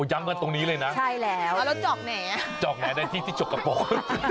อย่างกันตรงนี้เลยนะเอาแล้วจอกไหนจอกไหนในที่ที่จกกระโปร